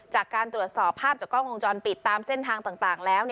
จากการตรวจสอบภาพจากกล้องวงจรปิดตามเส้นทางต่างแล้ว